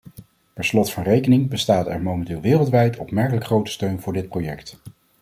Per slot van rekening bestaat er momenteel wereldwijd opmerkelijk grote steun voor dit project.